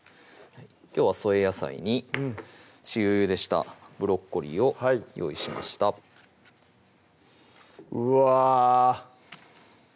きょうは添え野菜に塩ゆでしたブロッコリーを用意しましたうわ